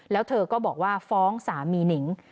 แล้วเธอก็บอกว่าฟ้องสามีหนิง